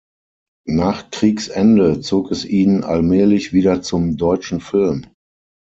Nach Kriegsende zog es ihn allmählich wieder zum deutschen Film.